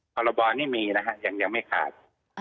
พรบนี่มีนะฮะยังไม่ขาด